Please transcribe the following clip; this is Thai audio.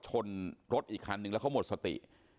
ชนรถอีกคันนึงแล้วเขาหมดสติ